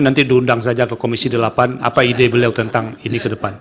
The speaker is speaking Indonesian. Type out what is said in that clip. nanti diundang saja ke komisi delapan apa ide beliau tentang ini ke depan